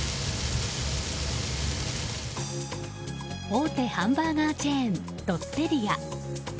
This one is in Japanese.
大手ハンバーガーチェーンロッテリア。